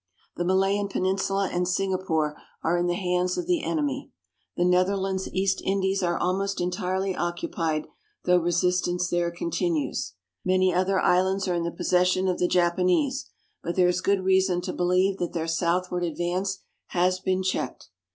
The Malayan Peninsula and Singapore are in the hands of the enemy; the Netherlands East Indies are almost entirely occupied, though resistance there continues. Many other islands are in the possession of the Japanese. But there is good reason to believe that their southward advance has been checked.